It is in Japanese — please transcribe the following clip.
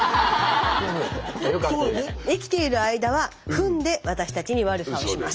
生きている間はフンで私たちに悪さをします。